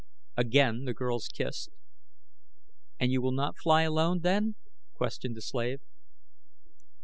Again the girls kissed. "And you will not fly alone, then?" questioned the slave.